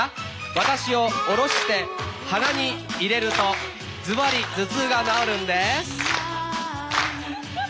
私をおろして鼻に入れるとずばり頭痛が治るんです！